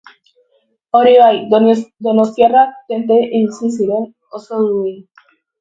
Hori bai, donostiarrak tente ibiltzen ziren, oso duin.